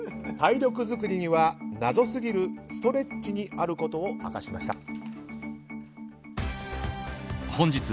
体力作りには謎すぎるストレッチにあることを明かしました。